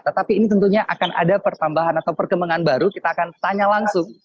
tetapi ini tentunya akan ada pertambahan atau perkembangan baru kita akan tanya langsung